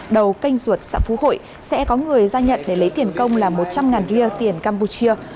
đầu canh ruột xã phú hội sẽ có người ra nhận để lấy tiền công là một trăm linh ria tiền campuchia